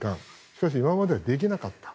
しかし今まではできなかった。